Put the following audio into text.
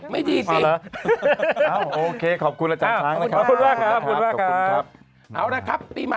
อเมริกาครบ๔ปีหรอ